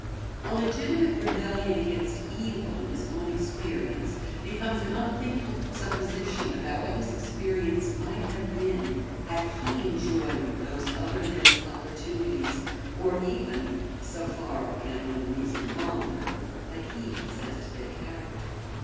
A legitimate rebellion against evil in his own experience becomes an unthinkable supposition about what his experience might have been had he enjoyed those other men's opportunities or even (so far can unreason wander) had he possessed their character.